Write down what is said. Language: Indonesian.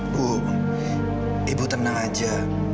bu ibu tenang aja